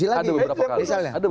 ada beberapa kali